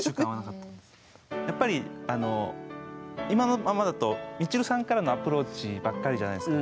やっぱり今のままだとみちるさんからのアプローチばっかりじゃないですか。